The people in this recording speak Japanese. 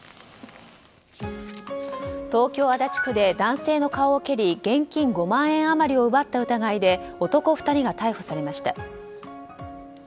東京・足立区で男性の顔を蹴り現金５万円余りを奪った疑いで男２人が逮捕されました。